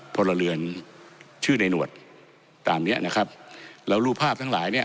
พลเรือนชื่อในหนวดตามเนี้ยนะครับแล้วรูปภาพทั้งหลายเนี้ย